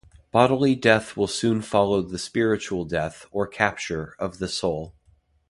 Bodily death will soon follow the spiritual death, or capture, of the soul.